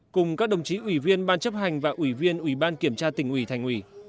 cùng các đồng chí ủy viên ban chấp hành và ủy viên ủy ban kiểm tra tỉnh ủy thành ủy